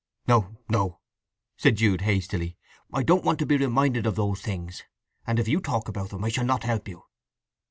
"No, no," said Jude hastily. "I don't want to be reminded of those things; and if you talk about them I shall not help you."